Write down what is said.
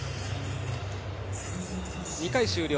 ２回終了。